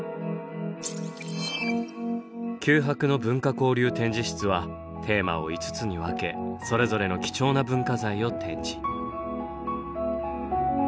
九博の文化交流展示室はテーマを５つにわけそれぞれの貴重な文化財を展示。